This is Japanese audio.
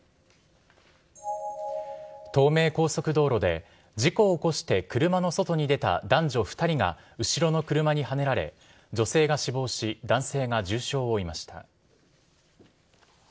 東名高速道路で、事故を起こして車の外に出た男女２人が後ろの車にはねられ、女性が死亡し、男性が重傷を負いました。